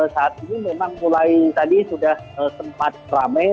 saat ini memang mulai tadi sudah sempat ramai